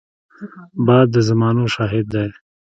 باد د زمانو شاهد دی